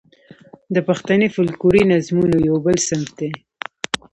د پښتني فوکلوري نظمونو یو بل صنف دی.